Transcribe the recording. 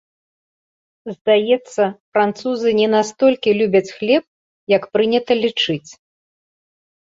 Здаецца, французы не настолькі любяць хлеб, як прынята лічыць.